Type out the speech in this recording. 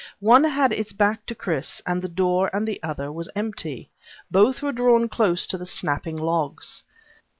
One had its back to Chris and the door, and the other was empty. Both were drawn close to the snapping logs.